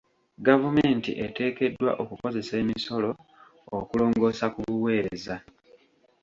Gavumenti eteekeddwa okukozesa emisolo okulongoosa ku buweereza.